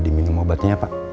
semuanya bagus ya pak